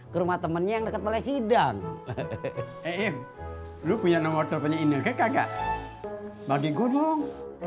ke rumah temennya deket balai sidang eh lu punya nomor teleponnya ini kagak bagi gunung